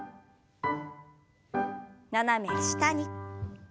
斜め下に。